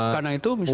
karena itu misalnya